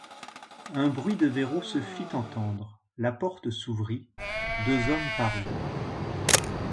Un bruit de verroux se fit entendre, la porte s’ouvrit, deux hommes parurent.